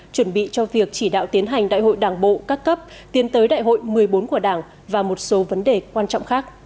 chuẩn bị cho việc chỉ đạo tiến hành đại hội đảng bộ các cấp tiến tới đại hội một mươi bốn của đảng và một số vấn đề quan trọng khác